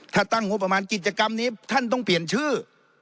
ถ้าตั้งงบประมาณกิจกรรมนี้ท่านต้องเปลี่ยนชื่อ